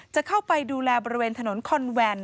จะเข้าไปดูแลบริเวณถนนคอนแวน